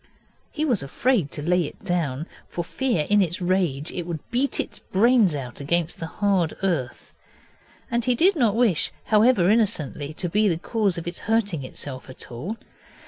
He was afraid to lay it down, for fear in its rage it should beat its brains out against the hard earth, and he did not wish, however innocently, to be the cause of its hurting itself at all.